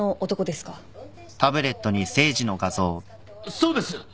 そうです！